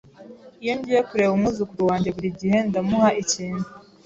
Iyo ngiye kureba umwuzukuru wanjye, burigihe ndamuha ikintu.